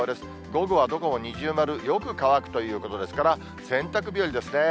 午後はどこも二重丸、よく乾くということですから、洗濯日和ですね。